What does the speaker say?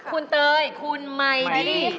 คุณเตยคุณไมดี้